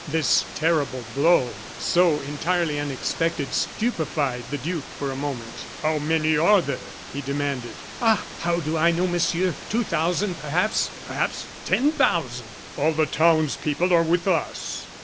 This terrible blow, so entirely unexpected, stupefied the duke for a moment. "How many are there?" he demanded. "Ah! how do I know, Monsieur? Two thousand, perhaps perhaps ten thousand." "All the towns people are with us."